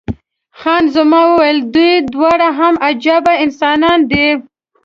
خان زمان وویل، دوی دواړه هم عجبه انسانان دي.